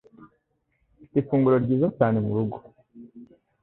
Mfite ifunguro ryiza cyane murugo.